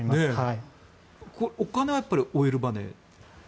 お金はオイルマネー？